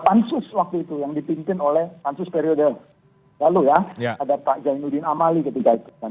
pansus waktu itu yang dipimpin oleh pansus periode lalu ya ada pak zainuddin amali ketika itu